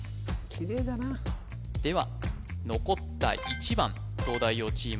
キレイだなでは残った１番東大王チーム